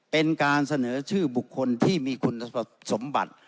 เป็นการเสนอชื่อบุคคลที่มีคุณสมบัติ